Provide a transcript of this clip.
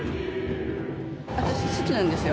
私好きなんですよ。